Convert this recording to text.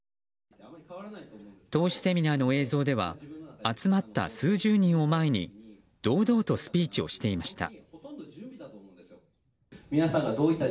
投資セミナーの映像では集まった数十人を前に堂々とスピーチをしていました。